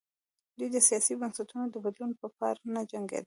دوی د سیاسي بنسټونو د بدلون په پار نه جنګېدل.